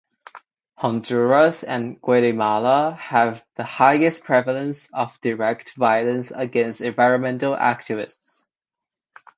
Honduras and Guatemala have the highest prevalence of direct violence against environmental activists.